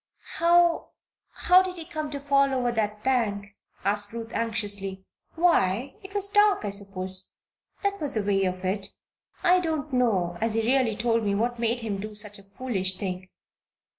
"How how did he come to fall over that bank?" asked Ruth, anxiously. "Why it was dark, I suppose. That was the way of it. I don't know as he really told me what made him do such a foolish thing.